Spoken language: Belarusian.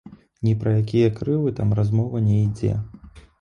Ні пра якія крылы там размова не ідзе!